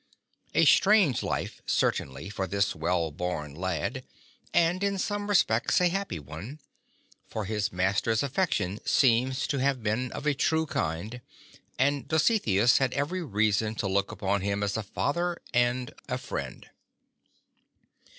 A strange life certainly for this well born lad, and in some respects a happy one ; for his master's affection seems to have been of a true kind, and Dositheus had every reason to look up to him as a father and a friend.